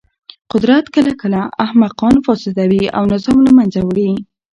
قدرت کله کله احمقان فاسدوي او نظام له منځه وړي.